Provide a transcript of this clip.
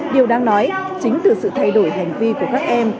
điều đáng nói chính từ sự thay đổi hành vi của các em